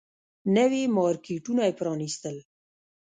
نوي مارکيټونه يې پرانيستل.